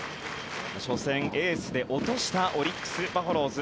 初戦、エースで落としたオリックス・バファローズ。